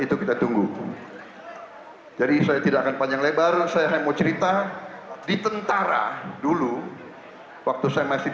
itu kita tunggu jadi saya tidak akan panjang lebar saya mau cerita di tentara dulu waktu saya masih